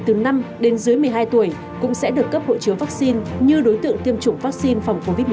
trẻ từ năm đến dưới một mươi hai tuổi cũng sẽ được cấp hộ chiếu vaccine như đối tượng tiêm chủng vaccine và các cơ sở tiêm chủng